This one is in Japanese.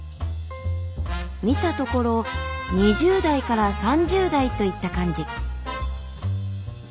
見たところ２０代から３０代といった感じ。